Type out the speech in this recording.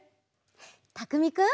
たくみくん。